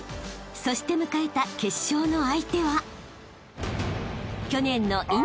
［そして迎えた決勝の相手は］